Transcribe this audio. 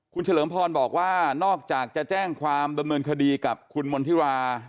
คุณเฉลิมพรบอกว่านอกจากจะแจ้งความดำเนินคดีกับคุณมณฑิรา